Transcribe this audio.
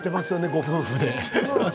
ご夫婦で。